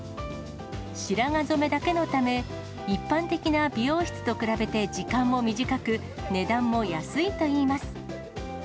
白髪染めだけのため、一般的な美容室と比べて時間も短く、値段も安いといいます。